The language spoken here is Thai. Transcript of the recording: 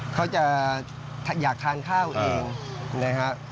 เขาจะอยากทานข้าวเองนะฮะ